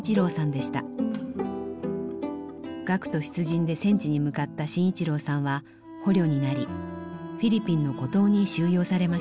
学徒出陣で戦地に向かった信一郎さんは捕虜になりフィリピンの孤島に収容されました。